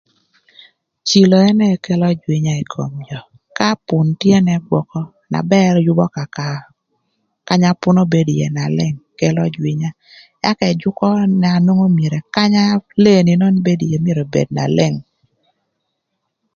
Cilo ënë kelö jwïnya ï kom jö ka pün tye na ba ëgwökö na ba ëyübö kaka kanya pünö bedo ïë na na leng kelo jwïnya ëka ëjükö na nwongo myero kanya leeni nön bedo ïë myero obed na leng.